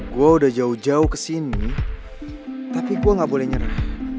gue udah jauh jauh kesini tapi gue gak boleh nyerang